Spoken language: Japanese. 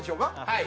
はい。